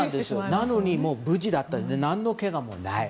なのに無事だった何のけがもない。